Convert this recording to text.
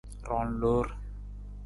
Roon loor.